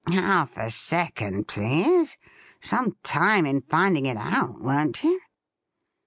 ' Half a second, please. Some time in finding it out, weren't you